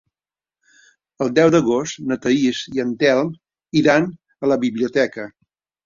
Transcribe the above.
El deu d'agost na Thaís i en Telm iran a la biblioteca.